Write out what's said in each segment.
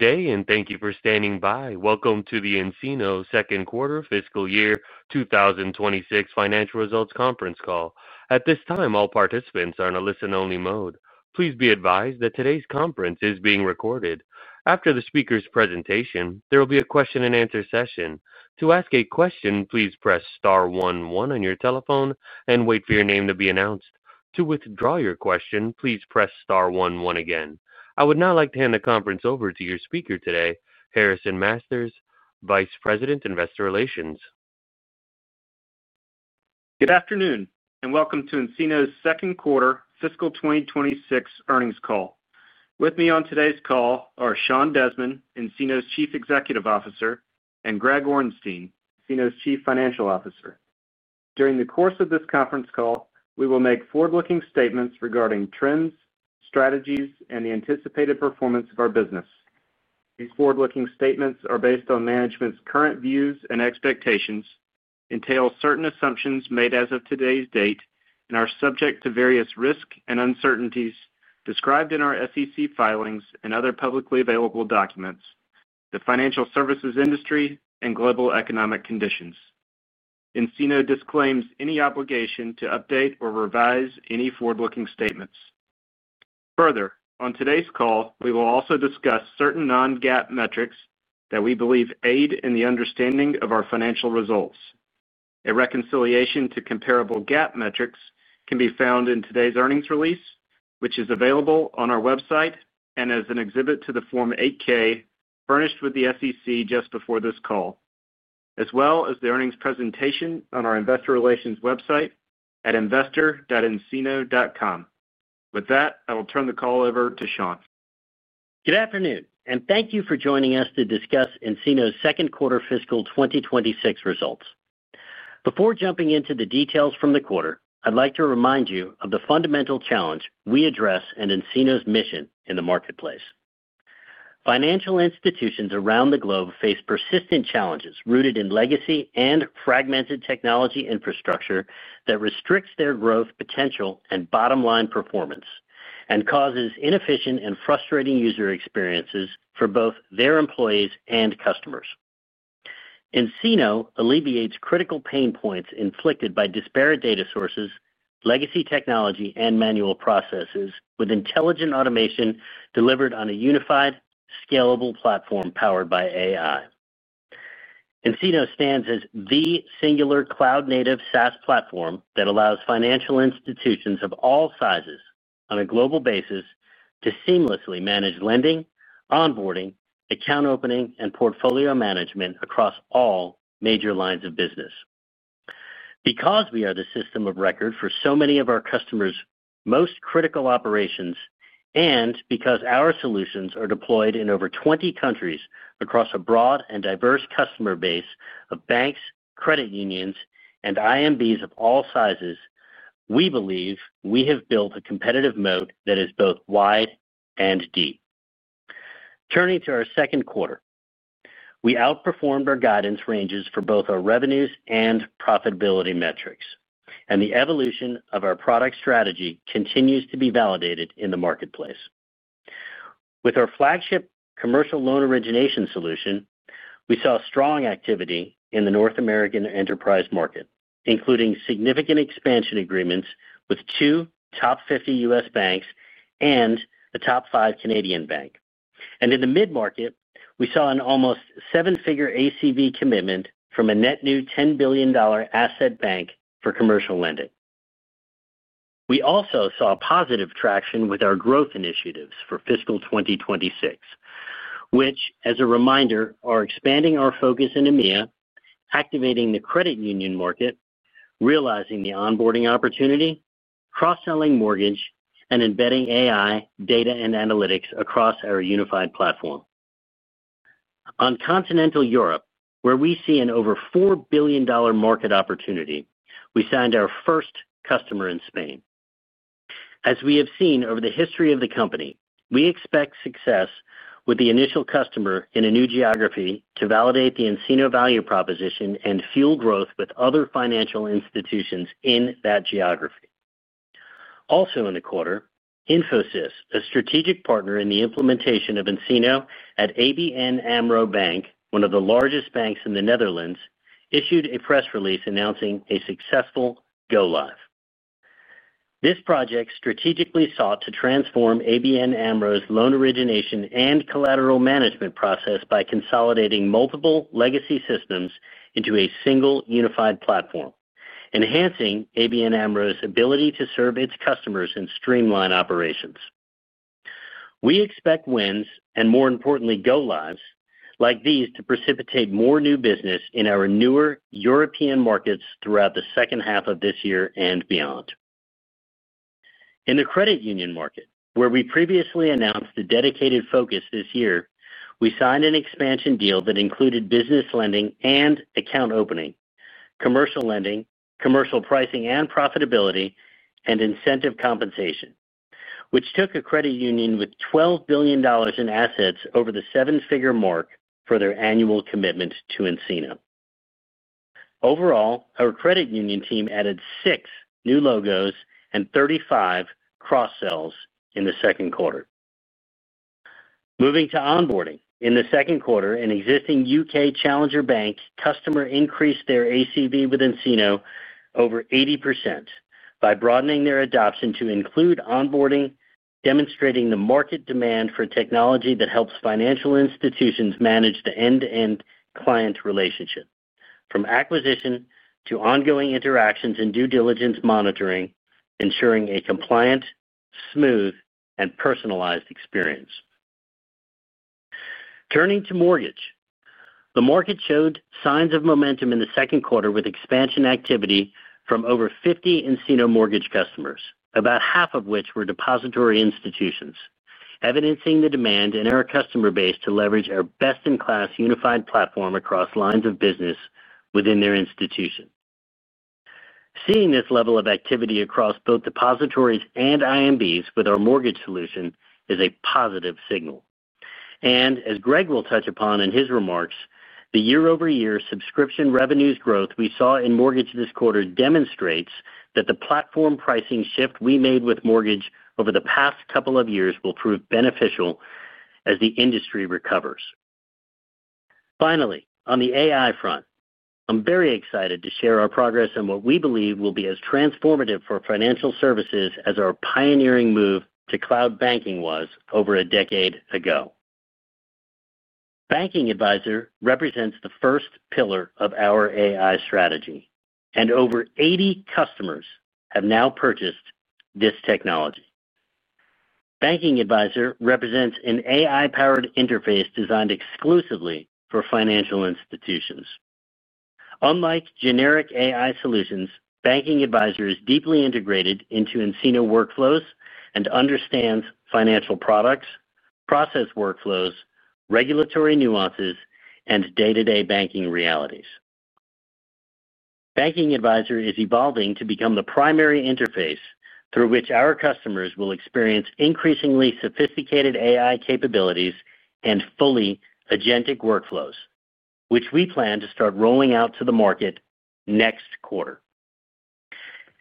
Day and thank you for standing by. Welcome to the nCino Second Quarter Fiscal Year 2026 Financial Results Conference Call. At this time all participants are in a listen only mode. Please be advised that today's conference is being recorded. After the speaker's presentation there will be a question and answer session. To ask a question, please press star one one on your telephone and wait for your name to be announced. To withdraw your question, please press star one one again. I would now like to hand the conference over to your speaker today, Harrison Masters, Vice President Investor Relations. Good. Afternoon and welcome to nCino's Second Quarter Fiscal 2026 Earnings Call. With me on today's call are Sean Desmond, nCino's Chief Executive Officer, and Greg Orenstein, nCino's Chief Financial Officer. During the course of this conference call, we will make forward-looking statements regarding trends, strategies, and the anticipated performance of our business. These forward-looking statements are based on management's current views and expectations, entail certain assumptions made as of today's date, and are subject to various risks and uncertainties described in our SEC filings and other publicly available documents, the financial services industry, and global economic conditions. nCino disclaims any obligation to update or revise any forward-looking statements. Further, on today's call, we will also discuss certain non-GAAP metrics that we believe aid in the understanding of our financial results. A reconciliation to comparable GAAP metrics can be found in today's earnings release, which is available on our website and as an exhibit to the Form 8-K furnished with the SEC just before this call, as well as the earnings presentation on our investor relations website at investor.ncino.com. With that, I will turn the call over to Sean. Good afternoon and thank you for joining us to discuss nCino's second quarter fiscal 2026 results. Before jumping into the details from the quarter, I'd like to remind you of the fundamental challenge we address and nCino's mission in the marketplace. Financial institutions around the globe face persistent challenges rooted in legacy and fragmented technology infrastructure that restricts their growth potential and bottom line performance and causes inefficient and frustrating user experiences for both their employees and customers. nCino alleviates critical pain points inflicted by disparate data sources, legacy technology and manual processes with intelligent automation delivered on a unified, scalable platform powered by AI. nCino stands as the singular cloud-native SaaS platform that allows financial institutions of all sizes on a global basis to seamlessly manage lending, onboarding, account opening and portfolio management across all major lines of business. Because we are the system of record for so many of our customers' most critical operations and because our solutions are deployed in over 20 countries across a broad and diverse customer base of banks, credit unions and IMBs of all sizes, we believe we have built a competitive moat that is both wide and deep. Turning to our second quarter, we outperformed our guidance ranges for both our revenues and profitability metrics, and the evolution of our product strategy continues to be validated in the marketplace. With our flagship commercial loan origination solution, we saw strong activity in the North American enterprise market, including significant expansion agreements with two top 50 U.S. banks and a top five Canadian bank. In the mid-market, we saw an almost seven-figure ACV commitment from a net new $10 billion asset bank for commercial lending. We also saw positive traction with our growth initiatives for fiscal 2026, which as a reminder are expanding our focus in EMEA, activating the credit union market, realizing the onboarding opportunity, cross-selling mortgage and embedding AI, data and analytics across our unified platform. On continental Europe, where we see an over $4 billion market opportunity, we signed our first customer in Spain. As we have seen over the history of the company, we expect success with the initial customer in a new geography to validate the nCino value proposition and fuel growth with other financial institutions in that geography. Also in the quarter, Infosys, a strategic partner in the implementation of nCino at ABN AMRO Bank, one of the largest banks in the Netherlands, issued a press release announcing a successful go-live. This project strategically sought to transform ABN AMRO's loan origination and collateral management process by consolidating multiple legacy systems into a single unified platform, enhancing ABN AMRO's ability to serve its customers and streamline operations. We expect wins and, more importantly, go-lives like these to precipitate more new business in our newer European markets throughout the second half of this year and beyond. In the credit union market, where we previously announced a dedicated focus, this year we signed an expansion deal that included business lending and account opening, commercial lending, commercial pricing and profitability, and incentive compensation, which took a credit union with $12 billion in assets over the seven-figure mark for their annual commitment to nCino. Overall, our Credit Union team added six new logos and 35 cross-sell deals in the second quarter. Moving to Onboarding, in the second quarter, an existing U.K. challenger bank customer increased their ACV within nCino over 80% by broadening their adoption to include Onboarding, demonstrating the market demand for technology that helps financial institutions manage the end-to-end client relationship, from acquisition to ongoing interactions and due diligence monitoring, ensuring a compliant, smooth, and personalized experience. Turning to Mortgage, the market showed signs of momentum in the second quarter with expansion activity from over 50 nCino mortgage customers, about half of which were depository institutions, evidencing the demand in our customer base to leverage our best-in-class unified platform across lines of business within their institution. Seeing this level of activity across both depository institutions and IMBs with our mortgage solution is a positive signal, and as Greg will touch upon in his remarks, the year-over-year subscription revenues growth we saw in Mortgage this quarter demonstrates that the platform pricing shift we made with Mortgage over the past couple of years will prove beneficial as the industry recovers. Finally, on the AI front, I'm very excited to share our progress on what we believe will be as transformative for financial services as our pioneering move to cloud banking was over a decade ago. Banking Advisor represents the first pillar of our AI strategy, and over 80 customers have now purchased this technology. Banking Advisor represents an AI-powered interface designed exclusively for financial institutions. Unlike generic AI solutions, Banking Advisor is deeply integrated into nCino workflows and understands financial products, process workflows, regulatory nuances, and day-to-day banking realities. Banking Advisor is evolving to become the primary interface through which our customers will experience increasingly sophisticated AI capabilities and fully agentic workflows, which we plan to start rolling out to the market next quarter.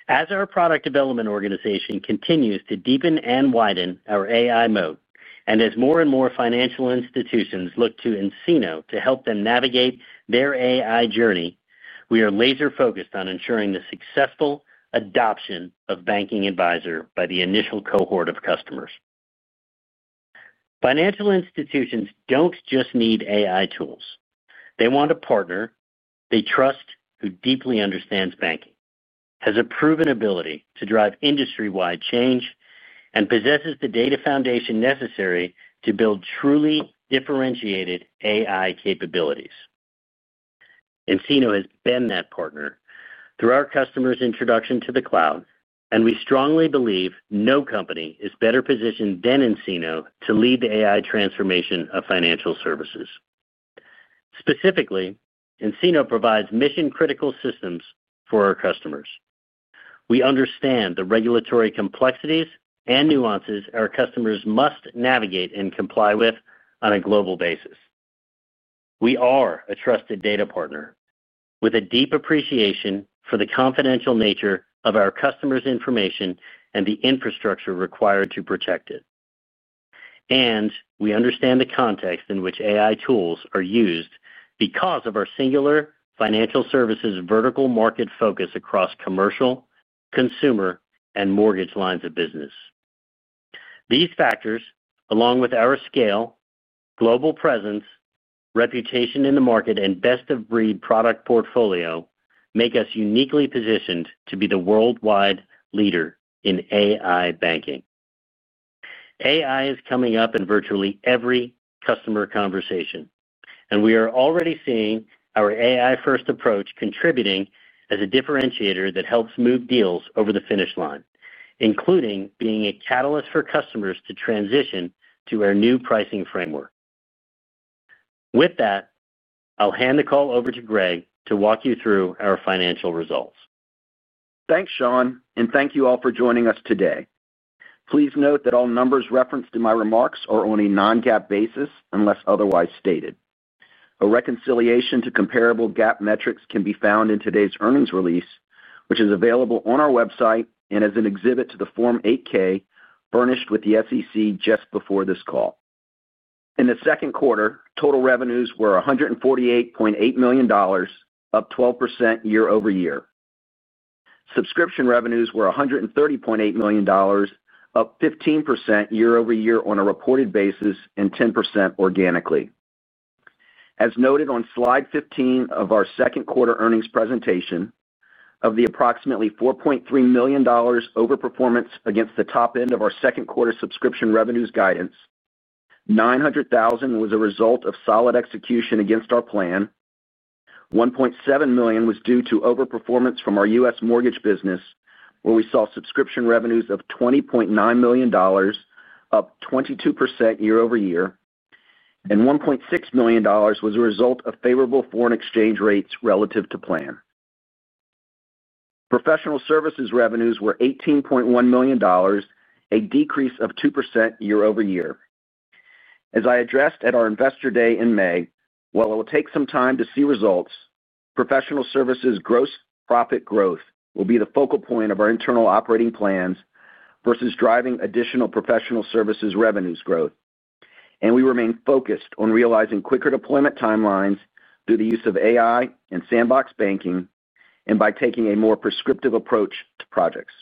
As our product development organization continues to deepen and widen our AI moat, and as more and more financial institutions look to nCino to help them navigate their AI journey, we are laser focused on ensuring the successful adoption of Banking Advisor by the initial cohort of customers. Financial institutions do not just need AI tools, they want a partner they trust who deeply understands banking, has a proven ability to drive industry-wide change, and possesses the data foundation necessary to build truly differentiated AI capabilities. nCino has been that partner through our customers' introduction to the cloud, and we strongly believe no company is better positioned than nCino to lead the AI transformation of financial services. Specifically, nCino provides mission-critical systems for our customers. We understand the regulatory complexities and nuances our customers must navigate and comply with on a global basis. We are a trusted data partner with a deep appreciation for the confidential nature of our customers' information and the infrastructure required to protect it, and we understand the context in which AI tools are used because of our singular financial services vertical market focus across commercial, consumer, and mortgage lines of business. These factors, along with our scale, global presence, reputation in the market, and best-of-breed product portfolio, make us uniquely positioned to be the worldwide leader in AI banking. AI is coming up in virtually every customer conversation, and we are already seeing our AI-first approach contributing as a differentiator that helps move deals over the finish line, including being a catalyst for customers to transition to our new pricing framework. With that, I'll hand the call over to Greg to walk you through our financial results. Thanks Sean and thank you all for joining us today. Please note that all numbers referenced in my remarks are on a non-GAAP basis unless otherwise stated. A reconciliation to comparable GAAP metrics can be found in today's earnings release, which is available on our website and as an exhibit to the Form 8-K furnished with the SEC just before this call. In the second quarter, total revenues were $148.8 million, up 12% year-over-year. Subscription revenues were $130.8 million, up 15% year-over-year on a reported basis and 10% organically. As noted on slide 15 of our second quarter earnings presentation, of the approximately $4.3 million overperformance against the top end of our second quarter subscription revenues guidance, $900,000 was a result of solid execution against our plan, $1.7 million was due to overperformance from our U.S. mortgage business where we saw subscription revenues of $20.9 million, up 22% year-over-year, and $1.6 million was a result of favorable foreign exchange rates relative to planning. Professional services revenues were $18.1 million, a decrease of 2% year-over-year. As I addressed at our Investor Day in May, while it will take some time to see results, professional services gross profit growth will be the focal point of our internal operating plans versus driving additional professional services revenues growth, and we remain focused on realizing quicker deployment timelines through the use of AI and Sandbox Banking and by taking a more prescriptive approach to projects.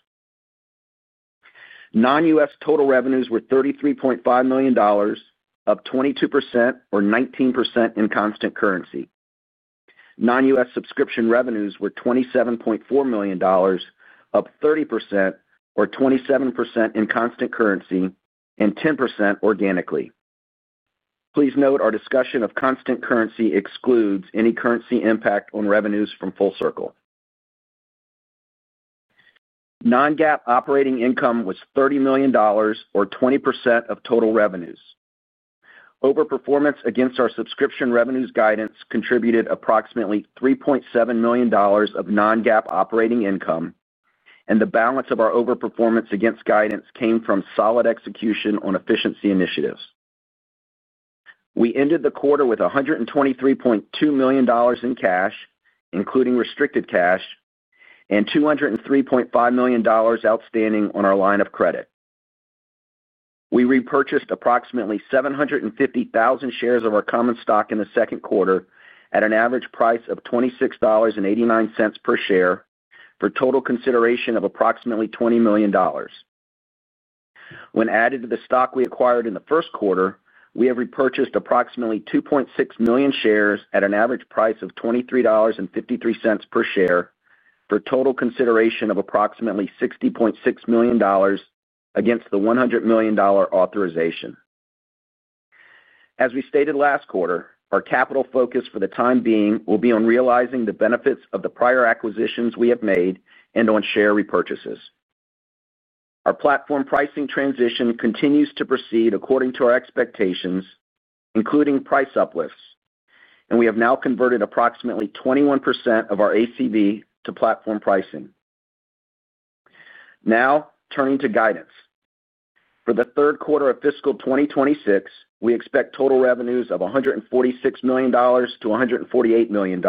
Non-U.S. total revenues were $33.5 million, up 22% or 19% in constant currency. Non-U.S. subscription revenues were $27.4 million, up 30% or 27% in constant currency and 10% organically. Please note our discussion of constant currency excludes any currency impact on revenues from FullCircl. Non-GAAP operating income was $30 million or 20% of total revenues. Overperformance against our subscription revenues guidance contributed approximately $3.7 million of non-GAAP operating income, and the balance of our overperformance against guidance came from solid execution on efficiency initiatives. We ended the quarter with $123.2 million in cash, including restricted cash, and $203.5 million outstanding on our line of credit. We repurchased approximately 750,000 shares of our common stock in the second quarter at an average price of $26.89 per share for total consideration of approximately $20 million. When added to the stock we acquired in the first quarter, we have repurchased approximately 2.6 million shares at an average price of $23.53 per share for total consideration of approximately $60.6 million against the $100 million authorization. As we stated last quarter, our capital focus for the time being will be on realizing the benefits of the prior acquisitions we have made and on share repurchases. Our platform pricing transition continues to proceed according to our expectations, including price uplifts, and we have now converted approximately 21% of our ACV to platform pricing. Now, turning to guidance for the third quarter of fiscal 2026, we expect total revenues of $146 million-$148 million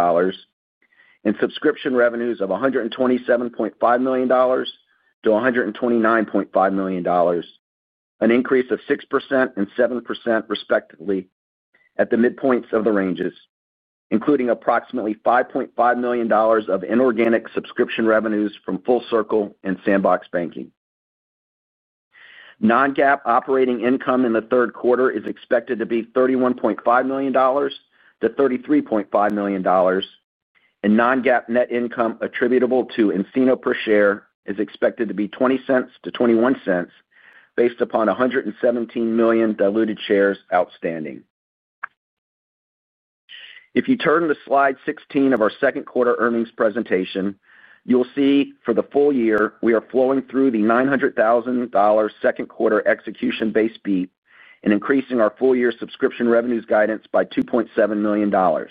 and subscription revenues of $127.5 million-$129.5 million, an increase of 6% and 7% respectively at the midpoints of the ranges, including approximately $5.5 million of inorganic subscription revenues from FullCircl and Sandbox Banking. Non-GAAP operating income in the third quarter is expected to be $31.5 million-$33.5 million and non-GAAP net income attributable to nCino per share is expected to be $0.20-$0.21 based upon 117 million diluted shares outstanding. If you turn to Slide 16 of our second quarter earnings presentation, you'll see for the full year we are flowing through the $900,000 second quarter execution base beat and increasing our full year subscription revenues guidance by $2.7 million.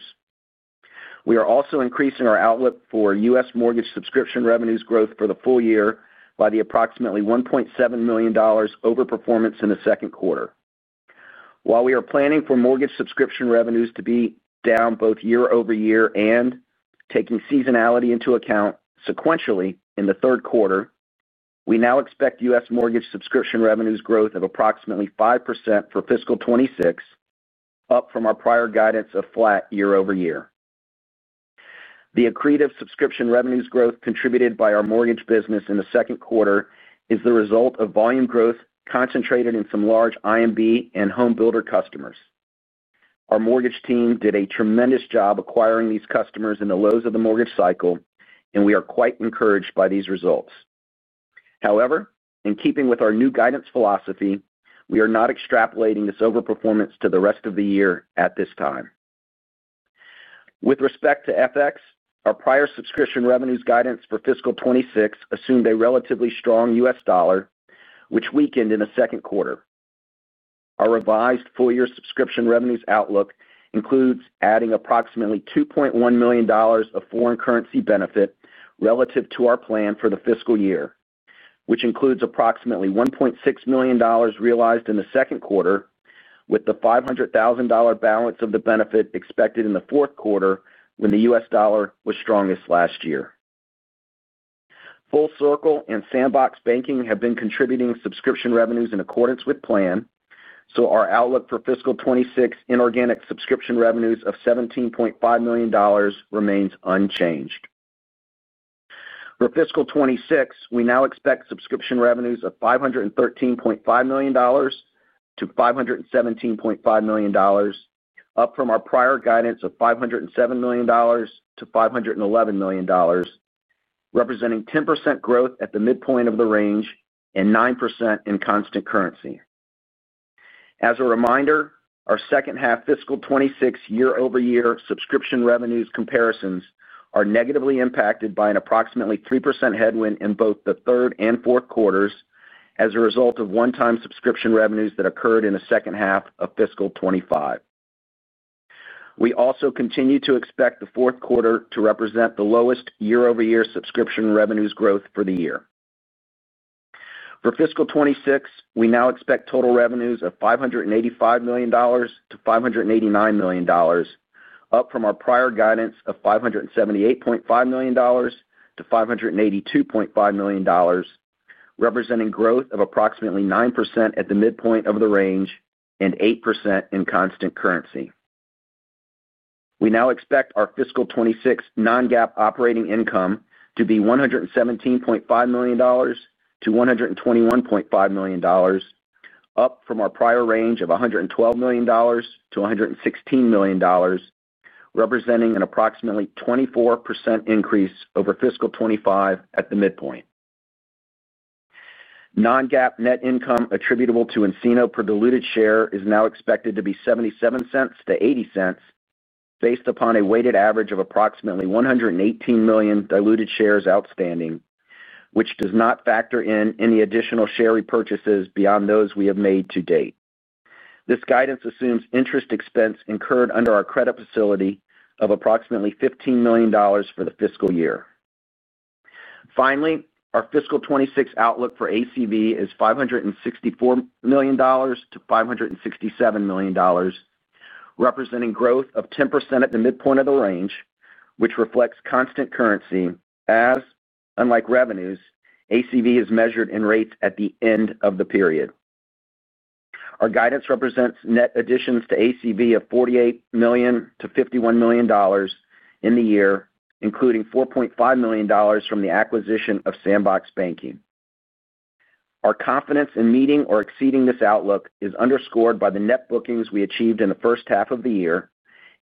We are also increasing our outlook for U.S. mortgage subscription revenues growth for the full year by the approximately $1.7 million overperformance in the second quarter. While we are planning for mortgage subscription revenues to be down both year-over-year and taking seasonality into account sequentially in the third quarter, we now expect U.S. mortgage subscription revenues growth of approximately 5% for fiscal 2026, up from our prior guidance of flat year-over-year. The accretive subscription revenues growth contributed by our mortgage business in the second quarter is the result of volume growth concentrated in some large IMB and home builder customers. Our mortgage team did a tremendous job acquiring these customers in the lows of the mortgage cycle and we are quite encouraged by these results. However, in keeping with our new guidance philosophy, we are not extrapolating this overperformance to the rest of the year at this time. With respect to FX, our prior subscription revenues guidance for fiscal 2026 assumed a relatively strong US dollar, which weakened in the second quarter. Our revised full year subscription revenues outlook includes adding approximately $2.1 million of foreign currency benefit relative to our the fiscal year, which includes approximately $1.6 million realized in the second quarter, with the $500,000 balance of the benefit expected in the fourth quarter when the US dollar was strongest last year. FullCircl and Sandbox Banking have been contributing subscription revenues in accordance with plan, so our outlook for fiscal 2026 inorganic subscription revenues of $17.5 million remains unchanged. For fiscal 2026, we now expect subscription revenues of $513.5 million-$517.5 million, up from our prior guidance of $507 million-$511 million, representing 10% growth at the midpoint of the range and 9% in constant currency. As a reminder, our second half fiscal 2026 year-over-year subscription revenues comparisons are negatively impacted by an approximately 3% headwind in both the third and fourth quarters as a result of one-time subscription revenues that occurred in the second half of fiscal 2025. We also continue to expect the fourth quarter to represent the lowest year-over-year subscription revenues growth for the year. For fiscal 2026, we now expect total revenues of $585 million-$589 million, up from our prior guidance of $578.5 million-$582.5 million, representing growth of approximately 9% at the midpoint of the range and 8% in constant currency. We now expect our fiscal 2026 non-GAAP operating income to be $117.5 million-$121.5 million, up from our prior range of $112 million-$116 million, representing an approximately 24% increase over fiscal 2025 at the midpoint. Non-GAAP net income attributable to nCino per diluted share is now expected to be $0.77-$0.80, based upon a weighted average of approximately 118 million diluted shares outstanding, which does not factor in any additional share repurchases beyond those we have made to date. This guidance assumes interest expense incurred under our credit facility of approximately $15 million for the fiscal year. Finally, our fiscal 2026 outlook for ACV is $564 million-$567 million, representing growth of 10% at the midpoint of the range, which reflects constant currency as unlike revenues, ACV is measured in rates at the end of the period. Our guidance represents net additions to ACV of $48 million-$51 million in the year, including $4.5 million from the acquisition of Sandbox Banking. Our confidence in meeting or exceeding this outlook is underscored by the net bookings we achieved in the first half of the year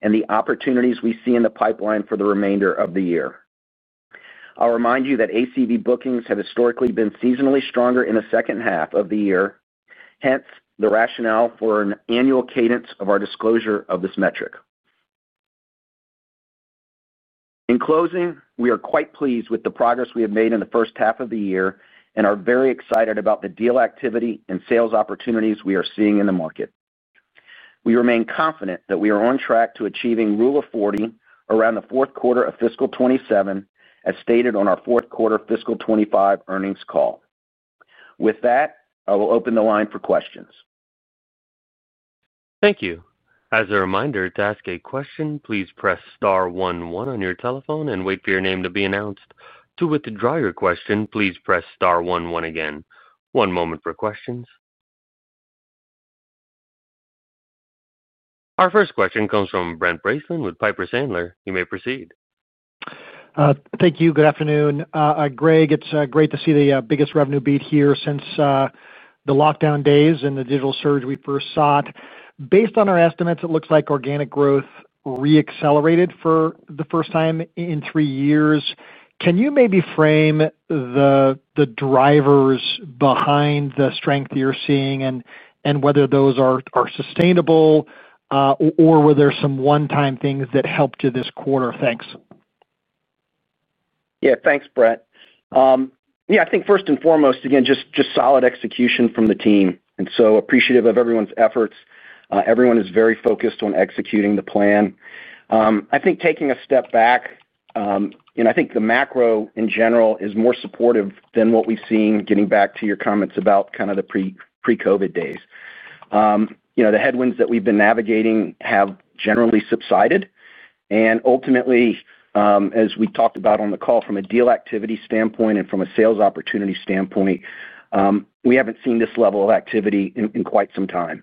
and the opportunities we see in the pipeline for the remainder of the year. I'll remind you that ACV bookings have historically been seasonally stronger in the second half of the year, hence the rationale for an annual cadence of our disclosure of this metric. In closing, we are quite pleased with the progress we have made in the first half of the year and are very excited about the deal activity and sales opportunities we are seeing in the market. We remain confident that we are on track to achieving Rule of 40 around the fourth quarter of fiscal 2027 as stated on our fourth quarter fiscal 2025 earnings call. With that, I will open the line for questions. Thank you. As a reminder, to ask a question, please press star one one on your telephone and wait for your name to be announced. To withdraw your question, please press star one one again. One moment for questions. Our first question comes from Brent Bracelin with Piper Sandler. You may proceed. Thank you. Good afternoon, Greg. It's great to see the biggest revenue beat here since the lockdown days and the digital surge we first saw. Based on our estimates, it looks like organic growth re-accelerated for the first time in three years. Can you maybe frame the drivers behind the strength you're seeing and whether those are sustainable or were there some one-time things that helped you this quarter? Thanks. Yeah, thanks Brent. I think first and foremost, again, just solid execution from the team and so appreciative of everyone's efforts. Everyone is very focused on executing the plan. I think taking a step back, the macro in general is more supportive than what we've seen. Getting back to your comments about kind of the pre-Covid days, the headwinds that we've been navigating have generally subsided and ultimately, as we talked about on the call, from a deal activity standpoint and from a sales opportunity standpoint, we haven't seen this level of activity in quite some time.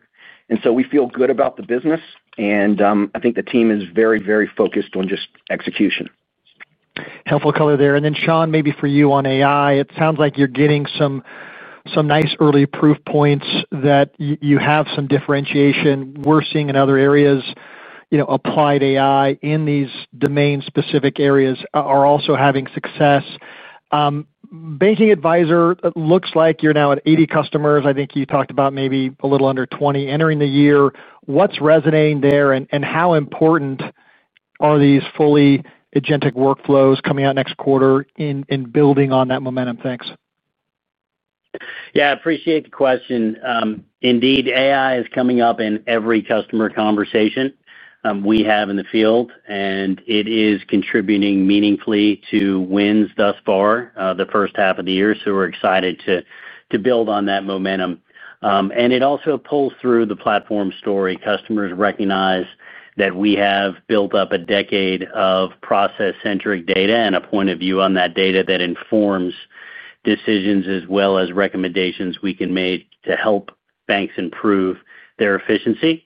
We feel good about the business and I think the team is very, very focused on just execution. Helpful color there. Sean, maybe for you on AI, it sounds like you're getting some nice early proof points that you have some differentiation seeing in other areas. You know, applied AI in these domain specific areas are also having success. Banking Advisor looks like you're now at 80 customers. I think you talked about maybe a little under 20 entering the year. What's resonating there, and how important are these fully agentic workflows coming out next quarter in building on that momentum? Thanks. Yeah, I appreciate the question. Indeed, AI is coming up in every customer conversation we have in the field, and it is contributing meaningfully to wins thus far the first half of the year. We're excited to build on that momentum. It also pulls through the platform story. Customers recognize that we have built up a decade of process-centric data and a point of view on that data that informs decisions as well as recommendations we can make to help banks improve their efficiency.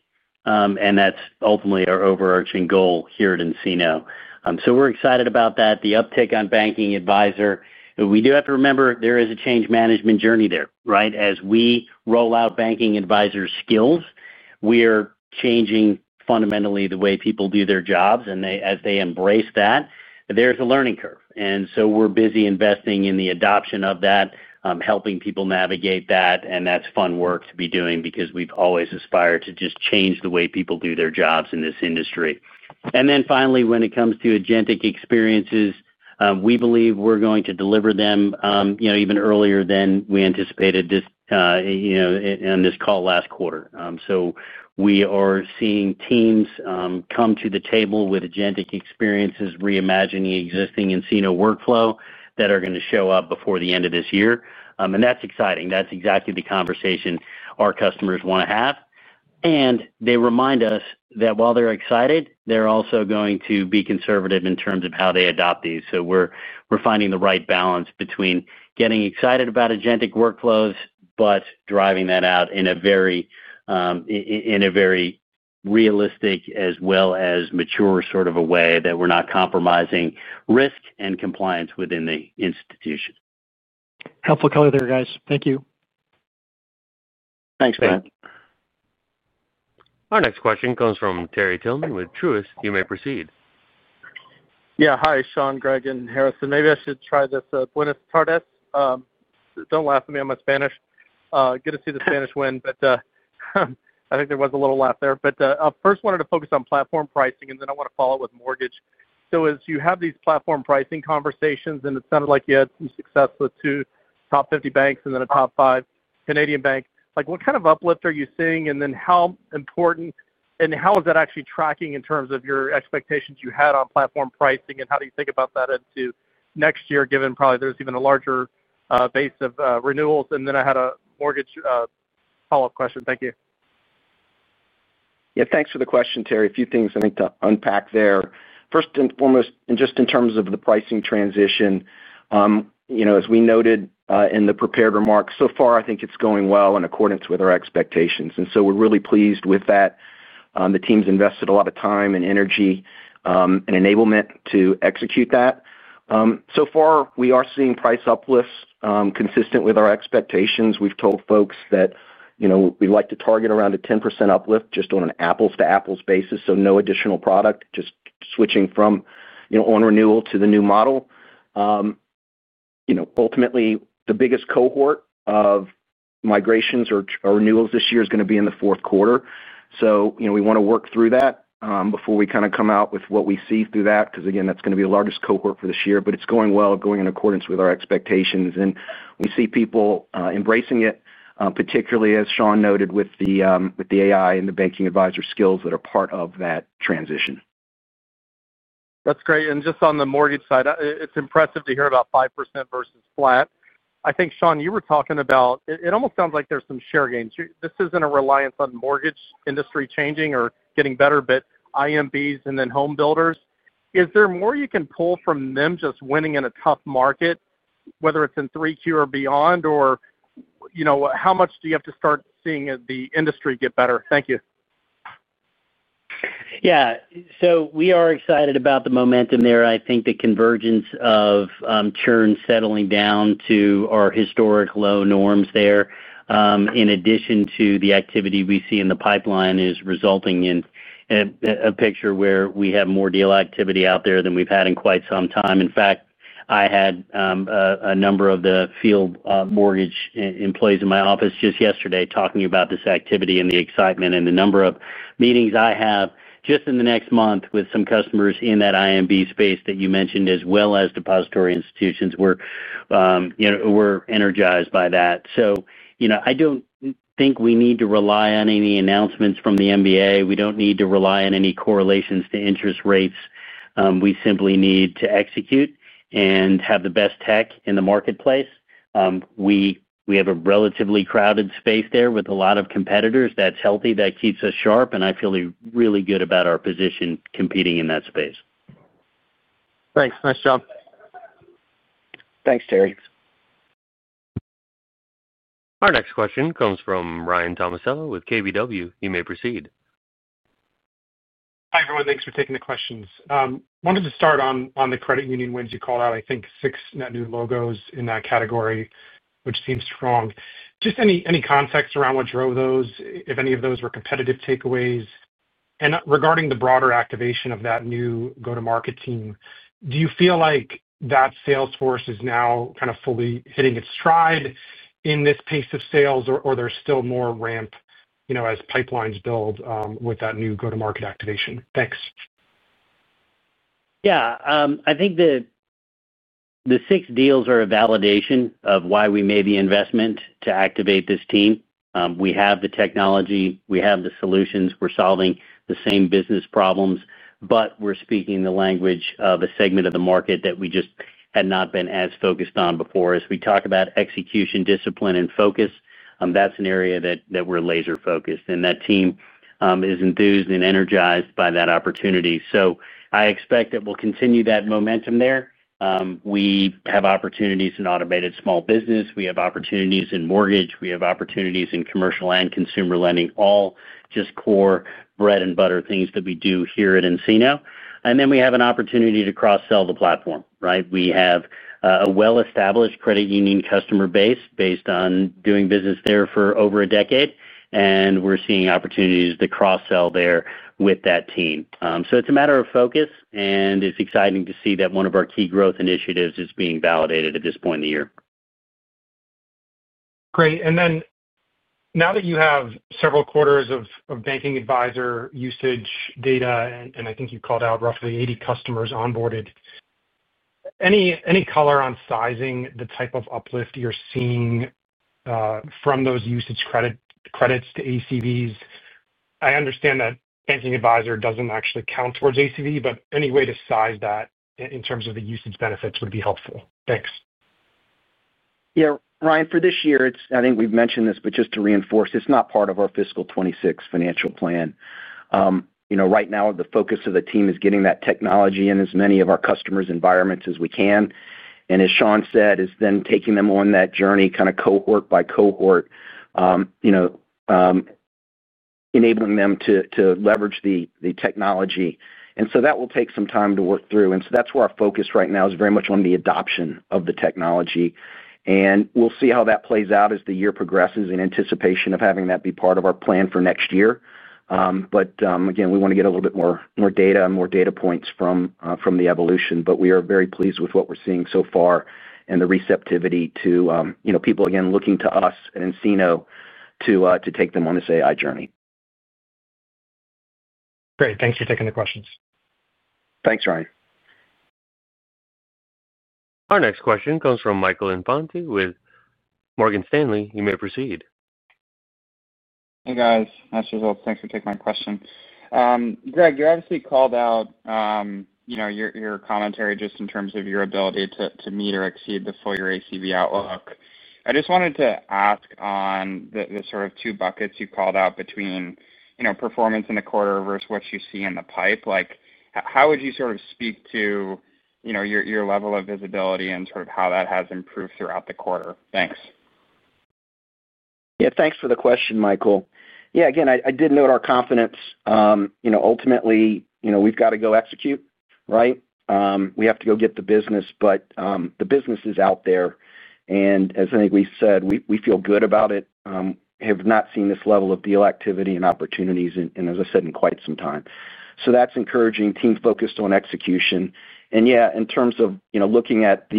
That's ultimately our overarching goal here at nCino. We're excited about that. The uptick on Banking Advisor, we do have to remember there is a change management journey there. Right. As we roll out Banking Advisor skills, we're changing fundamentally the way people do their jobs. As they embrace that, there's a learning curve. We're busy investing in the adoption of that, helping people navigate that. That's fun work to be doing because we've always aspired to just change the way people do their jobs in this industry. Finally, when it comes to agentic experiences, we believe we're going to deliver them even earlier than we anticipated on this call last quarter. We are seeing teams come to the table with agentic experiences, reimagining existing nCino workflow that are going to show up before the end of this year. That's exciting. That's exactly the conversation our customers want to have. They remind us that while they're excited, they're also going to be conservative in terms of how they adopt these. We're finding the right balance between getting excited about agentic workflows, but driving that out in a very realistic as well as mature sort of a way that we're not compromising risk and compliance within the institution. Helpful color there, guys. Thank you. Thanks, Brent. Our next question comes from Terry Tillman with Truist. You may proceed. Yeah, hi, Sean, Greg, and Harrison. Maybe I should try this. Buenos tardes. Don't laugh at me. I'm in Spanish. Good to see the Spanish win, but I think there was a little laugh there. First, I wanted to focus on platform pricing, and then I want to follow with Mortgage. As you have these platform pricing conversations, and it sounded like you had success with two top 50 U.S. banks and then a top five Canadian bank, what kind of uplift are you seeing? How important and how is that actually tracking in terms of your expectations you had on platform pricing, and how do you think about that into next year given probably there's even a larger base of renewals? I had a Mortgage follow-up question. Thank you. Yeah, thanks for the question, Terry. A few things I think to unpack there. First and foremost, just in terms of the pricing transition, as we noted in the prepared remarks, so far, I think it's going well in accordance with our expectations and we're really pleased with that. The team's invested a lot of time and energy and enablement to execute that. So far we are seeing price uplifts consistent with our expectations. We've told folks that we like to target around a 10% uplift just on an apples to apples basis. No additional product, just switching from on renewal to the new model. Ultimately, the biggest cohort of migrations or renewals this year is going to be in the fourth quarter. We want to work through that before we come out with what we see through that because again, that's going to be the largest cohort for this year. It's going well, going in accordance with our expectations and we see people embracing it, particularly as Sean noted with the AI and the Banking Advisor skills that are part of that transition. That's great. Just on the mortgage side, it's impressive to hear about 5% versus flat. I think, Sean, you were talking about it. It almost sounds like there's some share gains. This isn't a reliance on the mortgage industry changing or getting better, but IMBs and then home builders. Is there more you can pull from them just winning in a tough market, whether it's in 3Q or beyond, or how much do you have to start seeing the industry get better? Thank you. Yeah, we are excited about the momentum there. I think the convergence of churn settling down to our historic low norms there, in addition to the activity we see in the pipeline, is resulting in a picture where we have more deal activity out there than we've had in quite some time. In fact, I had a number of the field mortgage employees in my office just yesterday talking about this activity and the excitement and the number of meetings I have just in the next month with some customers in that IMB space that you mentioned as well as depository institutions. We're energized by that. I don't think we need to rely on any announcements from the NBA. We don't need to rely on any correlations to interest rates. We simply need to execute and have the best tech in the marketplace. We have a relatively crowded space there with a lot of competitors. That's healthy, that keeps us sharp, and I feel really good about our position competing in that space. Thanks. Nice job. Thanks, Terry. Our next question comes from Ryan Tomasello with KBW. You may proceed. Hi everyone. Thanks for taking the questions. Wanted to start on the credit union wins. You called out I think six net new logos in that category, which seems strong. Just any context around what drove those, if any of those were competitive takeaways. Regarding the broader activation of that new go to market team, do you feel like that sales force is now kind of fully hitting its stride in this pace of sales, or there's still more ramp as pipelines build with that new go to market activation. Thanks. I think the six deals are a validation of why we made the investment to activate this team. We have the technology, we have the solutions, we're solving the same business problems, but we're speaking the language of a segment of the market that we just had not been as focused on before. As we talk about execution discipline and focus, that's an area that we're laser focused on and that team is enthused and energized by that opportunity. I expect that we'll continue that momentum there. We have opportunities in automated small business, we have opportunities in mortgage, we have opportunities in commercial and consumer lending, just core bread and butter things that we do here at nCino. We have an opportunity to cross sell the platform. Right. We have a well-established credit union customer base based on doing business there for over a decade, and we're seeing opportunities to cross-sell there with that team. It is a matter of focus, and it's exciting to see that one of our key growth initiatives is being validated at this point in the year. Great. Now that you have several quarters of Banking Advisor usage data, and I think you called out roughly 80 customers onboarded, any color on sizing the type of uplift you're seeing from those usage credits to ACVs? I understand that Banking Advisor doesn't actually count towards ACV, but any way to size that in terms of the usage benefits would be helpful. Thanks. Yeah, Ryan, for this year I think we've mentioned this, but just to reinforce, it's not part of our fiscal 2026 financial plan. Right now the focus of the team is getting that technology in as many of our customers' environments as we can, and as Sean said, is then taking them on that journey kind of cohort by cohort, enabling them to leverage the technology. That will take some time to work through. That's where our focus right now is very much on the adoption of the technology, and we'll see how that plays out as the year progresses in anticipation of having that be part of our plan for next year. Again, we want to get a little bit more data and more data points from the evolution. We are very pleased with what we're seeing so far and the receptivity to people again looking to us at nCino to take them on this AI journey. Great. Thanks for taking the questions. Thanks, Ryan. Our next question comes from Michael Infante with Morgan Stanley. You may proceed. Hey guys. Thanks for taking my question. Greg, you obviously called out, you know, your commentary just in terms of your ability to meet or exceed the full year ACV outlook. I just wanted to ask on the sort of two buckets you called out between, you know, performance in the quarter versus what you see in the pipe, like how would you sort of speak to your level of visibility and sort of how that has improved throughout the quarter. Thanks. Yeah, thanks for the question, Michael. I did note our confidence. Ultimately we've got to go execute, right? We have to go get the business. The business is out there and as I think we said, we feel good about it, have not seen this level of deal activity and opportunities as I said in quite some time. That's encouraging. Team focused on execution and yeah, in terms of looking at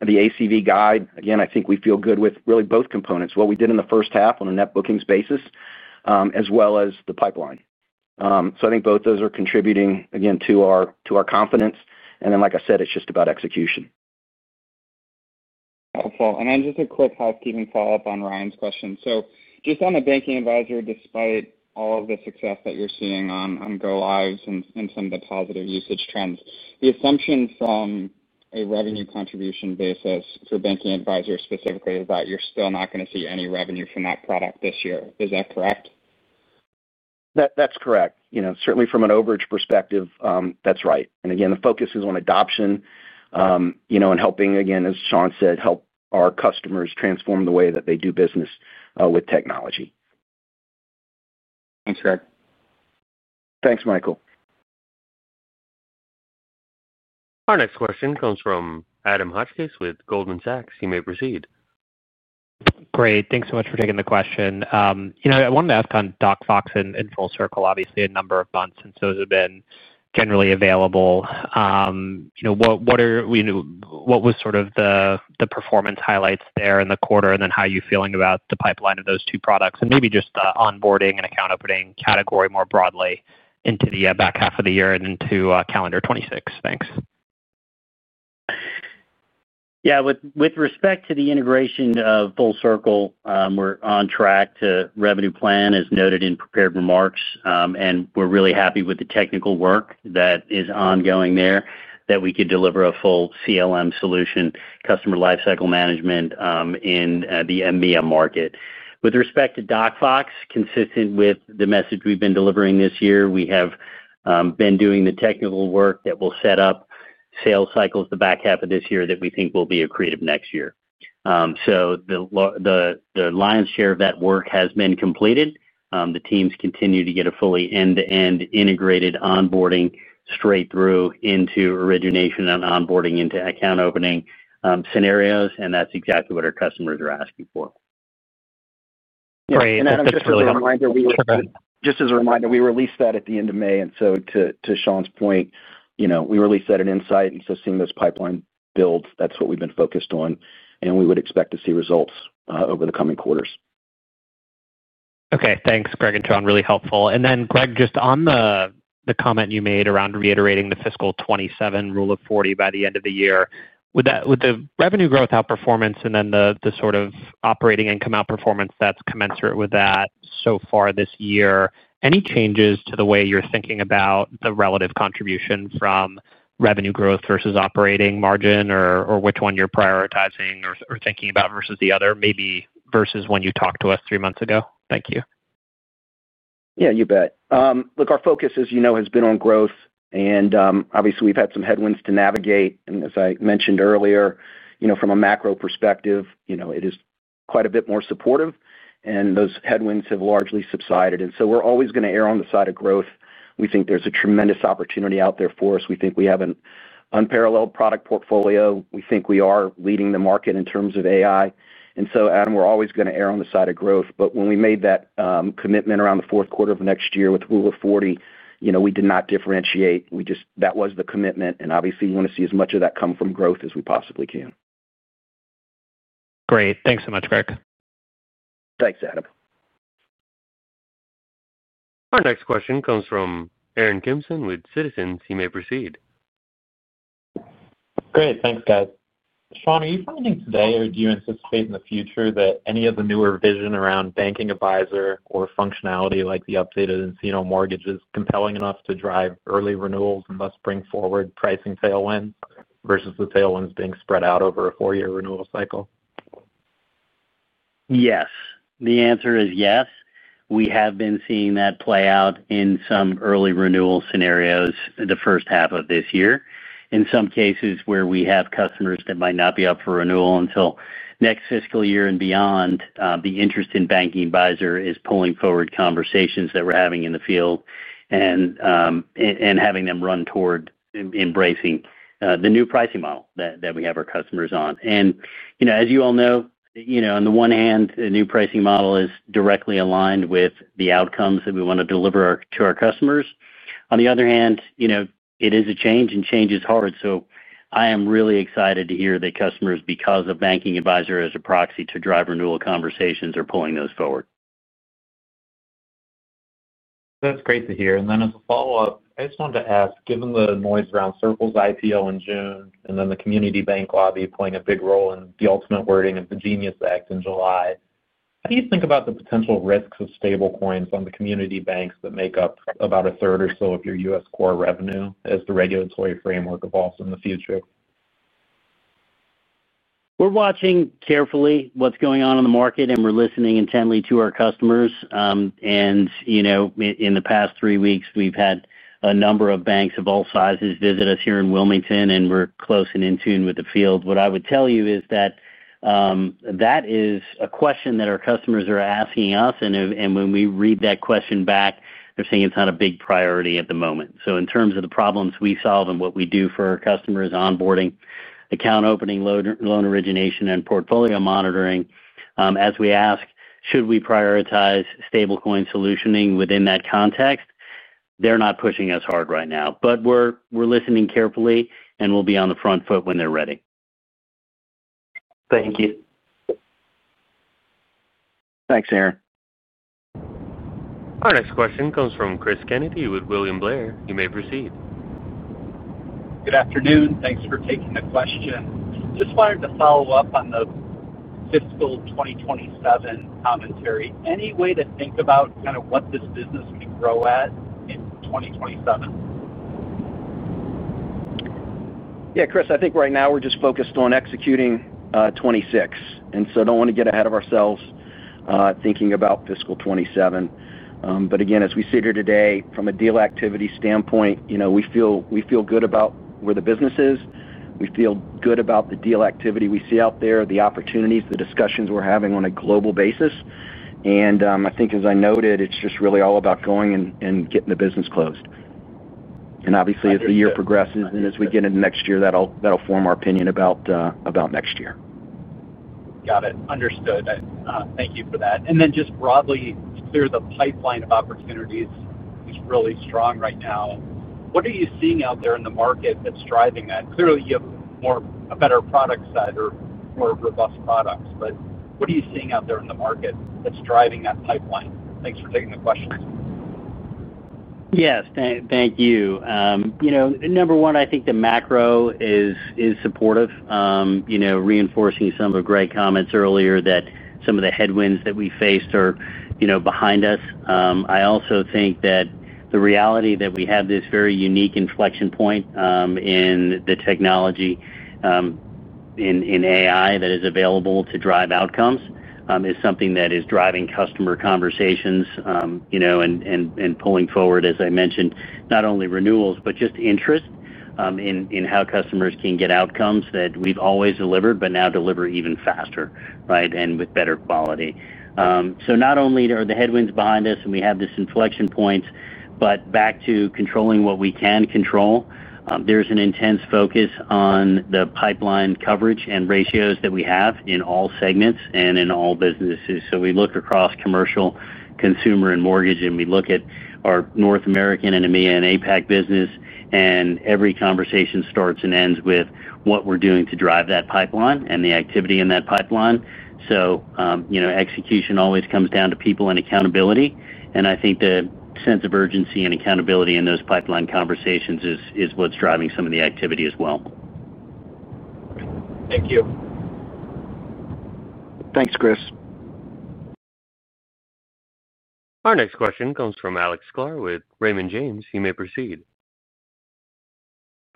the ACV guide again, I think we feel good with really both components. What we did in the first half on a net bookings basis as well as the pipeline. I think both those are contributing again to our confidence. It's just about execution. Helpful. Just a quick housekeeping follow up on Ryan's question. Just on the Banking Advisor, despite all of the success that you're seeing on go-lives and some of the positive usage trends, the assumption from a revenue contribution basis for Banking Advisor specifically is that you're still not going to see any revenue from that product this year, is that correct? That's correct. Certainly from an overage perspective, that's right. Again, the focus is on adoption and helping, as Sean said, help our customers transform the way that they do business with technology. Thanks, Greg. Thanks, Michael. Our next question comes from Adam Hotchkiss with Goldman Sachs. You may proceed. Great. Thanks so much for taking the question. I wanted to ask on DocFox and FullCircl, obviously a. Number of months since those have been generally available. What was sort of the. Performance highlights there in the quarter. How are you feeling about the pipeline of those two products and maybe just onboarding and account opening category more? Broadly into the back half of the year. Year and into calendar 2026. Thanks. Yeah. With respect to the integration of FullCircl, we're on track to revenue plan as noted in prepared remarks, and we're really happy with the technical work that is ongoing there that we could deliver a full CLM solution, customer lifecycle management, in the MVM market. With respect to DocFox, consistent with the message we've been delivering this year, we have been doing the technical work that will set up sales cycles the back half of this year that we think will be accretive next year. The lion's share of that work has been completed. The teams continue to get a fully end-to-end integrated onboarding straight through into origination and onboarding into account opening scenarios. That's exactly what our customers are asking for. Just as a reminder, we released that at the end of May. To Sean's point, you know, we released that in Insight, and seeing this pipeline build, that's what we've been focused on and we would expect to see results over the coming quarters. Okay, thanks Greg and Sean, really helpful. Greg, just on the comment you made around reiterating the fiscal 2027 Rule of 40 by the end of the year with the revenue growth outperformance and the sort of operating income outperformance that's commensurate with that so far this year. Any changes to the way you're thinking? About the relative contribution from revenue growth versus operating margin or which one you're. Prioritizing or thinking about versus the other. Maybe versus when you talked to us three months ago. Thank you. Yeah, you bet. Look, our focus, as you know, has been on growth and obviously we've had some headwinds to navigate. As I mentioned earlier, from a macro perspective it is quite a bit more supportive, and those headwinds have largely subsided. We're always going to err on the side of growth. We think there's a tremendous opportunity out there for us. We think we have an unparalleled product portfolio. We think we are leading the market in terms of AI. Adam, we're always going to err on the side of growth. When we made that commitment around the fourth quarter of next year with Rule of 40, we did not differentiate; that was the commitment, and we want to see as much of that come from growth as we possibly can. Great. Thanks so much, Greg. Thanks, Adam. Our next question comes from Aaron Kimson with Citizens. You may proceed. Great. Thanks, guys. Sean, are you finding today or do you anticipate in the future that any of the newer vision around Banking Advisor or functionality like the updated nCino Mortgage is compelling enough to drive early renewals and thus bring forward pricing tailwind versus the tailwinds being spread out over a four-year renewal cycle? Yes, the answer is yes. We have been seeing that play out in some early renewal scenarios the first half of this year, in some cases where we have customers that might not be up for renewal until next fiscal year and beyond. The interest in Banking Advisor is pulling forward conversations that we're having in the field and having them run toward embracing the new pricing model that we have our customers on. As you all know, on the one hand the new pricing model is directly aligned with the outcomes that we want to deliver to our customers. On the other hand, it is a change. Change is hard. I am really excited to hear that customers, because of Banking Advisor as a proxy to drive renewal conversations, are pulling those forward. That's great to hear. As a follow up, I just wanted to ask, given the noise around Circl's IPO in June and the community bank lobby playing a big role in the ultimate wording of the Genius act in July, do you think about the potential risks of stablecoins on the community banks that make up about 1/3 or so of your U.S. core revenue as the regulatory framework evolves in the future? We're watching carefully what's going on in the market and we're listening intently to our customers. In the past three weeks, we've had a number of banks of all sizes visit us here in Wilmington and we're close and in tune with the field. What I would tell you is that is a question that our customers are asking us and when we read that question back, they're saying it's not a big priority at the moment. In terms of the problems we solve and what we do for our customers—Onboarding, account opening, loan origination, and portfolio monitoring—as we ask, should we prioritize stablecoin solutioning within that context, they're not pushing us hard right now, but we're listening carefully and we'll be on the front foot when they're ready. Thank you. Thanks, Aaron. Our next question comes from Chris Kennedy with William Blair. You may proceed. Good afternoon. Thanks for taking the question. Just wanted to follow up on the fiscal 2027 commentary. Any way to think about kind of what the business grow at 2027? Yeah, Chris, I think right now we're. Just focused on executing 2026 and don't want to get ahead of ourselves thinking about fiscal 2027. As we sit here today from a deal activity standpoint, we feel good about where the business is. We feel good about the deal activity. We see out there the opportunities, the discussions we're having on a global basis. I think, as I noted, it's just really all about going and getting the business closed. Obviously, as the year progresses and as we get into next year, that'll form our opinion about next year. Got it. Understood. Thank you for that. Just broadly, the pipeline of opportunities is really strong right now. What are you seeing out there in the market that's driving that? Clearly, you have a better product side or more robust products. What are you seeing out there in the market? That's driving that pipeline? Thanks for taking the question. Yes, thank you. Number one, I think the macro is supportive, reinforcing some of Greg Orenstein's comments earlier that some of the headwinds that we faced are behind us. I also think that the reality that we have this very unique inflection point in the technology, in AI that is available to drive outcomes, is something that is driving customer conversations and pulling forward. As I mentioned, not only renewals, but just interest in how customers can get outcomes that we've always delivered but now deliver even faster and with better quality. Not only are the headwinds behind us and we have this inflection point, but back to controlling what we can control, there's an intense focus on the pipeline coverage and ratios that we have in all segments and in all businesses. We look across commercial, consumer, and mortgage, and we look at our North American, EMEA, and APAC business, and every conversation starts and ends with what we're doing to drive that pipeline and the activity in that pipeline. Execution always comes down to people and accountability. I think the sense of urgency and accountability in those pipeline conversations is what's driving some of the activity as well. Thank you. Thanks, Chris. Our next question comes from Alex Sklar with Raymond James, you may proceed.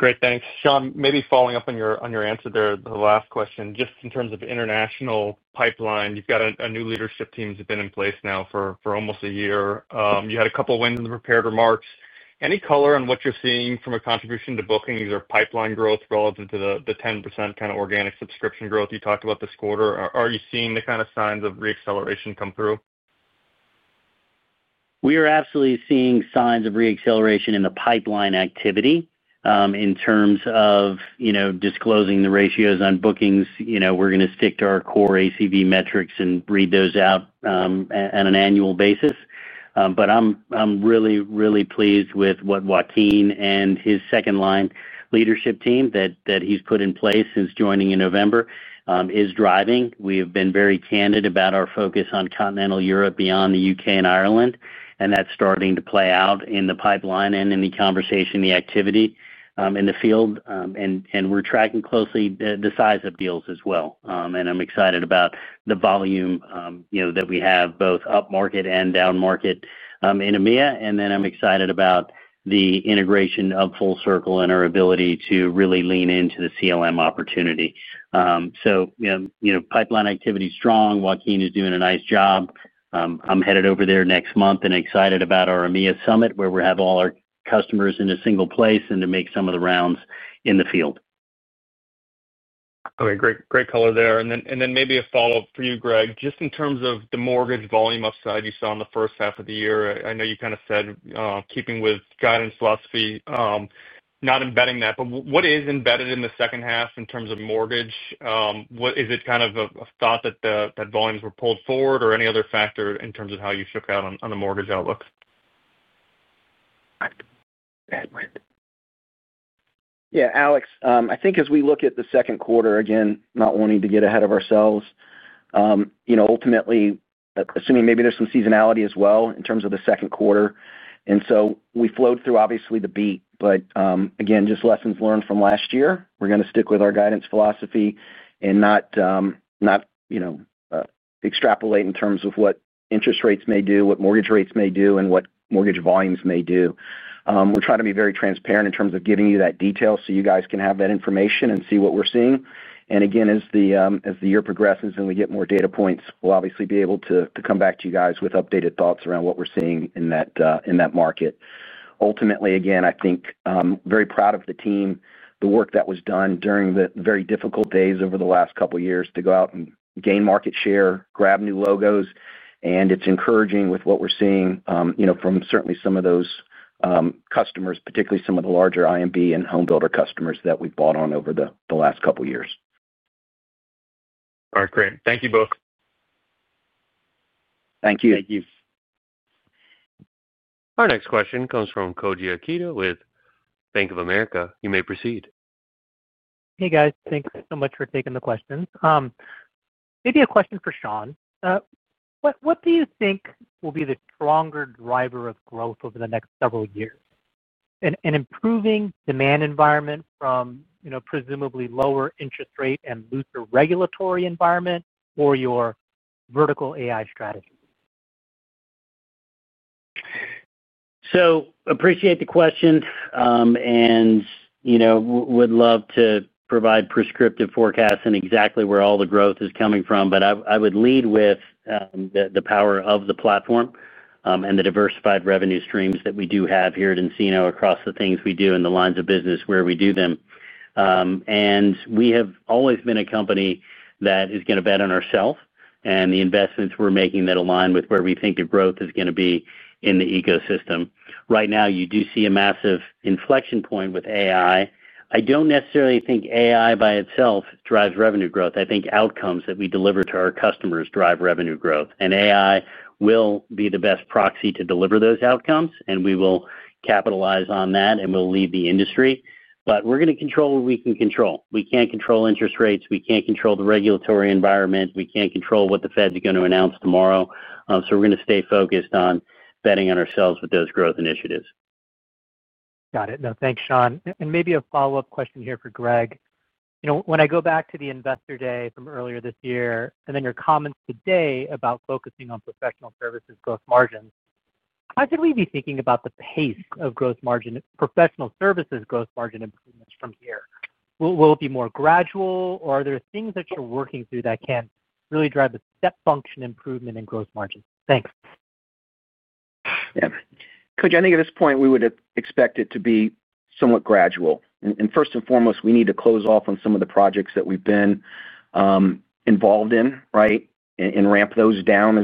Great. Thanks, Sean. Maybe following up on your answer there, the last question, just in terms of international pipeline, you've got a new leadership team that's been in place now for almost a year. You had a couple wins in the prepared remarks. Any color on what you're seeing from a contribution to bookings or pipeline growth relative to the 10% kind of organic subscription growth you talked about this quarter? Are you seeing the kind of signs of reacceleration come through? We are absolutely seeing signs of reacceleration in the pipeline activity. In terms of disclosing the ratios on bookings, we're going to stick to our core ACV metrics and read those out on an annual basis. I'm really, really pleased with what Watin and his second line leadership team that he's put in place since joining in November is driving. We have been very candid about our focus on continental Europe beyond the U.K. and Ireland. That's starting to play out in the pipeline and in the conversation, the activity in the field. We're tracking closely the size of deals as well. I'm excited about the volume that we have both upmarket and down market in EMEA. I'm excited about the integration of FullCircl and our ability to really lean into the CLM opportunity. Pipeline activity is strong. Joaquin is doing a nice job. I'm headed over there next month and excited about our EMEA summit where we have all our customers in a single place and to make some of the rounds in the field. Okay, great color there. Maybe a follow up for you, Greg. Just in terms of the mortgage volume upside you saw in the first half of the year, I know you kind of said in fact keeping with guidance philosophy, not embedding that, but what is embedded in the second half in terms of mortgage, is it kind of a thought that volumes were pulled forward or any other factor in terms of how you shook out on the mortgage outlook? Yeah, Alex, I think as we look at the second quarter, not wanting to get ahead of ourselves, ultimately assuming maybe there's some seasonality as well in terms of the second quarter. We flowed through obviously the beat, but just lessons learned from last year, we're going to stick with our guidance philosophy and not extrapolate in terms of what interest rates may do, what mortgage rates may do, and what mortgage volumes may do. We're trying to be very transparent in terms of giving you that detail so you guys can have that information and see what we're seeing. As the year progresses and we get more data points, we'll obviously be able to come back to you guys with updated thoughts around what we're seeing in that market. Ultimately, I think very proud of the team, the work that was done during the very difficult days over the last couple years to go out and gain market share, grab new logos, and it's encouraging with what we're seeing from certainly some of those customers, particularly some of the larger IMB and homebuilder customers that we brought on over the last couple of years. All right, great. Thank you both. Thank you. Thank you. Our next question comes from Koji Ikeda with Bank of America. You may proceed. Hey guys, thanks so much for taking the question. Maybe a question for Sean. What do you think will be the stronger driver of growth over the next several years? An improving demand environment from presumably lower interest rate and looser regulatory environment, or your vertical AI strategy? Appreciate the question and you know, would love to provide prescriptive forecasts and exactly where all the growth is coming from. I would lead with the power of the platform and the diversified revenue streams that we do have here at nCino across the things we do in the lines of business where we do them. We have always been a company that is going to bet on ourself and the investments we're making that align with where we think the growth is going to be in the ecosystem right now. You do see a massive inflection point with AI. I don't necessarily think AI by itself drives revenue growth. I think outcomes that we deliver to our customers drive revenue growth and AI will be the best proxy to deliver those outcomes and we will capitalize on that and we'll lead the industry. We're going to control what we can control. We can't control interest rates, we can't control the regulatory environment. We can't control what the Fed is going to announce tomorrow. We're going to stay focused on betting on ourselves with those growth initiatives. Got it? No thanks, Sean. Maybe a follow up question here for Greg. When I go back to the investor day from earlier this year and then your comments today about focusing on professional services gross margin, how should we be thinking about the pace of growth margin, professional services gross margin improvements from here? Will it be more gradual, or are there things that you're working through that can really drive a step function improvement in gross margin? Thanks. Koji, I think at this point we would expect it to be somewhat gradual. First and foremost, we need to close off on some of the projects that we've been involved in. Right. We ramp those down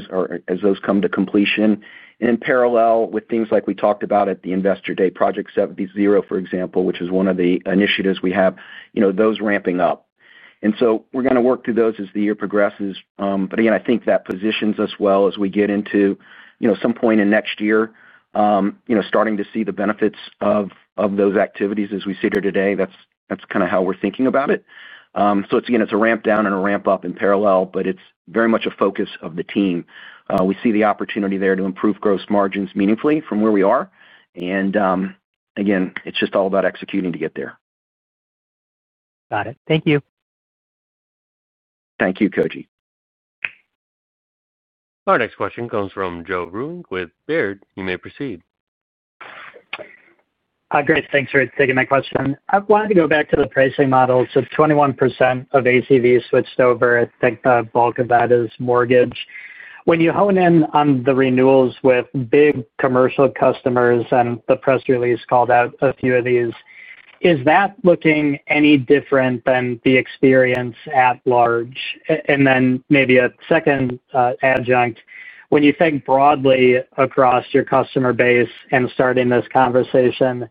as those come to completion. In parallel with things like we talked about at the Investor Day, Project 70, for example, which is one of the initiatives we have, those are ramping up. We are going to work through those as the year progresses. I think that positions us well as we get into some point in next year, starting to see the benefits of those activities as we sit here today. That's kind of how we're thinking about it. It's a ramp down and a ramp up in parallel, but it's very much a focus of the team. We see the opportunity there to improve gross margins meaningfully from where we are. It's just all about executing to get there. Got it. Thank you. Thank you, Koji. Our next question comes from Joe Hoon with Baird. You may proceed. Thanks for taking my question. I wanted to go back to the pricing model. 21% of ACV switched over. I think the bulk of that is mortgage. When you hone in on the renewals with big commercial customers and the press release called out a few of these, is that looking any different than the experience at large? Maybe a second adjunct, when you think broadly across your customer base and starting this conversation,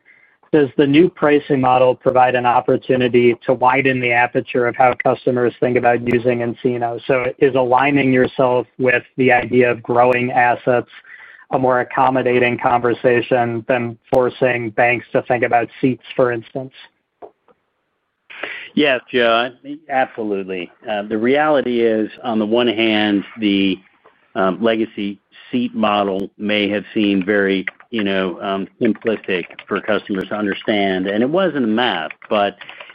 does the new pricing model provide an opportunity to widen the aperture of how customers think about using nCino? Is aligning yourself with the idea of growing assets a more accommodating conversation than forcing banks to think about seats, for instance? Yes, Joe, absolutely. The reality is, on the one hand, the legacy seat model may have seemed very simplistic for customers to understand, and it wasn't a math.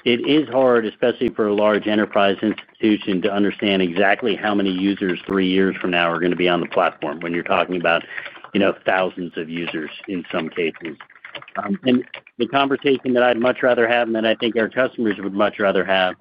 It is hard, especially for a large enterprise and institution, to understand exactly how many users three years from now are going to be on the platform when you're talking about, you know, thousands of users in some cases. The conversation that I'd much rather have and that I think our customers would much rather have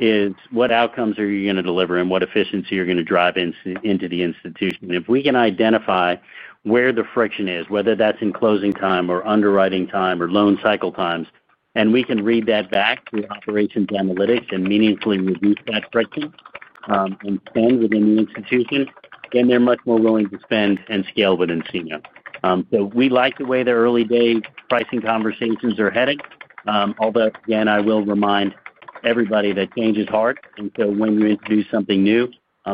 is what outcomes are you going to deliver and what efficiency you're going to drive into the institution. If we can identify where the friction is, whether that's in closing time or underwriting time or loan cycle times, and we can read that back with operations analytics and meaningfully reduce that friction and spend within the institution, they're much more willing to spend and scale within nCino. We like the way the early day pricing conversations are heading. Although again, I will remind everybody that change is hard. When you introduce something new,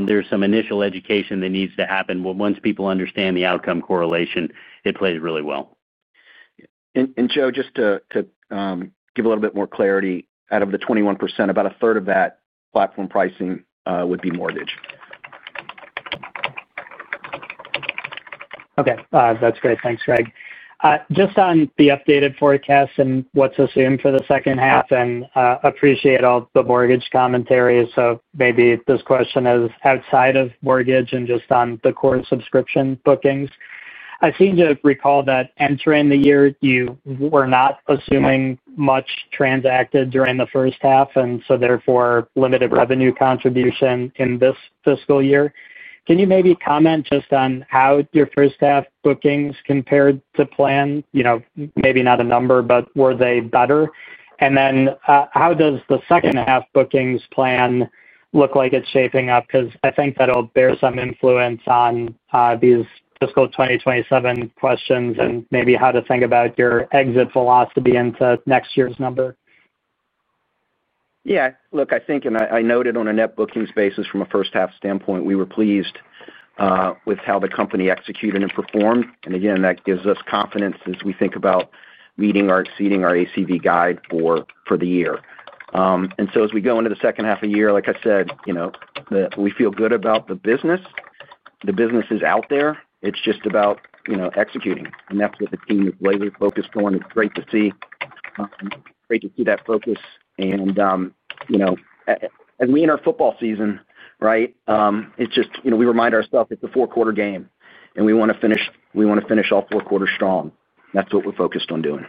there's some initial education that needs to happen. Once people understand the outcome correlation, it plays really well. Joe, just to give a little bit more clarity, out of the 21%, about 1/3 of that platform pricing would be mortgage. Okay, that's great. Thanks, Greg. Just on the updated forecast and what's assumed for the second half, and appreciate all the mortgage commentary. Maybe this question is outside of mortgage and just on the core subscription bookings. I seem to recall that entering the year you were not assuming much transacted during the first half and therefore limited revenue contribution in this fiscal year. Can you maybe comment just on how your first half bookings compared to plan? Maybe not a number, but were they better? How does the second half bookings plan look like it's shaping up? I think that'll bear some influence on these fiscal 2027 questions and maybe how to think about your exit velocity into next year's number. I think, and I noted on a net bookings basis, from a first half standpoint, we were pleased with how the company executed and performed. That gives us confidence as we think about meeting or exceeding our ACV guide for the year. As we go into the second half of the year, like I said, we feel good about the business. The business is out there. It's just about executing and that's what the team is focused on. It's great to see, great to see that focus. You know, in our football season, it's just, you know, we remind ourselves it's a four quarter game and we want to finish, we want to finish all four quarters strong. That's what we're focused on doing.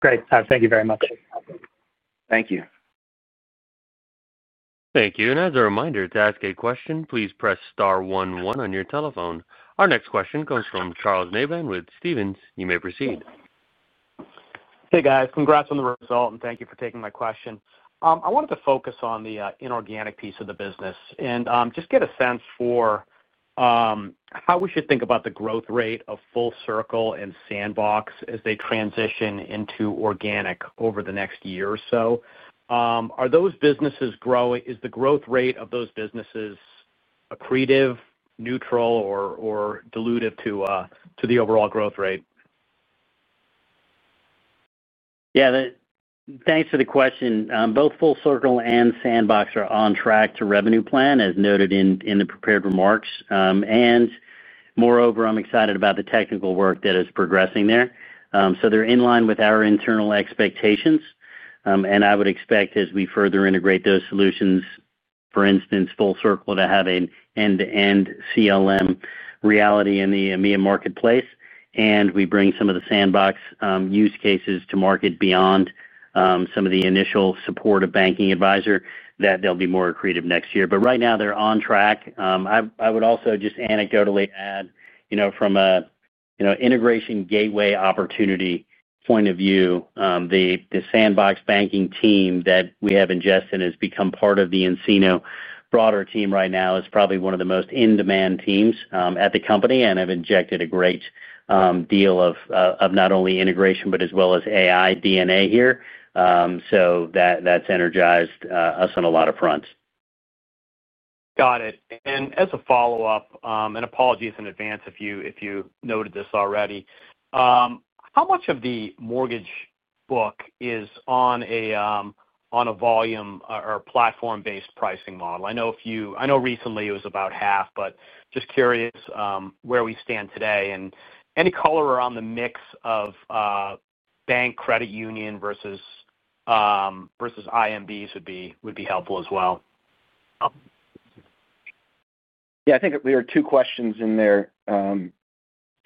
Great, thank you very much. Thank you. Thank you. As a reminder, to ask a question, please press star one one on your telephone. Our next question comes from Charles Nabhan with Stephens. You may proceed. Hey guys, congrats on the result and thank you for taking my question. I wanted to focus on the inorganic piece of the business and just get a sense for how we should think about the growth rate of FullCircl and Sandbox as they transition into organic over the next year or so? Are those businesses growing? Is the growth rate of those businesses accretive, neutral, or dilutive to the overall growth rate? Yeah, thanks for the question. Both FullCircl and Sandbox Banking are on track to revenue plan as noted in the prepared remarks, and moreover, I'm excited about the technical work that is progressing there. They're in line with our internal expectations, and I would expect as we further integrate those solutions, for instance, FullCircl to have an end-to-end CLM reality in the EMEA marketplace, and we bring some of the Sandbox Banking use cases to market beyond some of the initial support of Banking Advisor, that they'll be more accretive next year. Right now they're on track. I would also just anecdotally add, from an integration gateway opportunity point of view, the Sandbox Banking team that we have ingested has become part of the nCino broader team. Right now, it is probably one of the most in-demand teams at the company and has injected a great deal of not only integration but as well as AI DNA here. That's energized us on a lot of fronts. Got it. As a follow up, apologies in advance, if you noted this already. How much of the mortgage book is on a volume or platform based pricing model? I know recently it was about half, but just curious where we stand today. Any color around the mix of bank, credit union versus IMBs would be helpful as well. Yeah, I think there are two questions in there,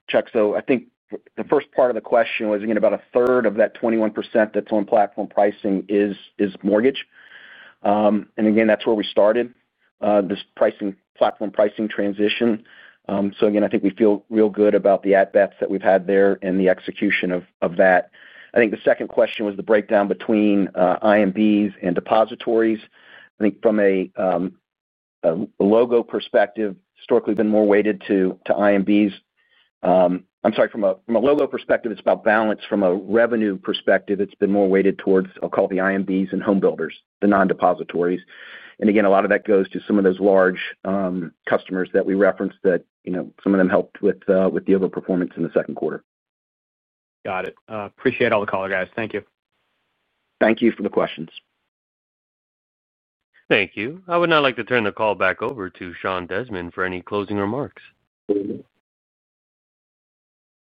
Chuck. I think the first part of the question was again about 1/3 of that 21% that's on platform pricing is mortgage, and again that's where we started this platform pricing transition. I think we feel real good about the AT bets that we've had there and the execution of that. I think the second question was the breakdown between IMBs and depositories. I think from a logo perspective, historically it's been more weighted to IMBs. I'm sorry, from a logo perspective it's about balance. From a revenue perspective, it's been more weighted towards, I'll call the IMBs and home builders, the non-depositories, and a lot of that goes to some of those large customers that we referenced that some of them helped with the overperformance in the second quarter. Got it. Appreciate all the color, guys. Thank you. Thank you for the questions. Thank you.I would now like to turn the call back over to Sean Desmond for any closing remarks.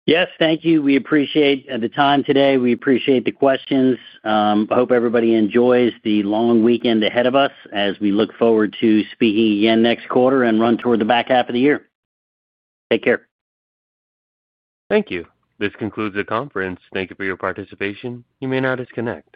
Yes, thank you. We appreciate the time today. We appreciate the questions. Hope everybody enjoys the long weekend ahead of us as we look forward to speaking again next quarter and run toward the back half of the year. Take care. Thank you. This concludes the conference. Thank you for your participation. You may now disconnect.